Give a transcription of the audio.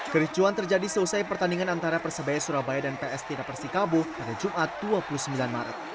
kericuan terjadi selesai pertandingan antara persebaya surabaya dan ps tira persikabo pada jumat dua puluh sembilan maret